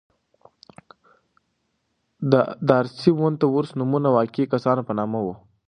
دارسي او ونت وُرث نومونه د واقعي کسانو په نامه وو.